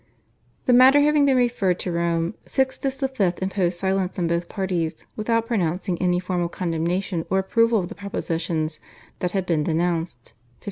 The matter having been referred to Rome, Sixtus V. imposed silence on both parties, without pronouncing any formal condemnation or approval of the propositions that had been denounced (1588).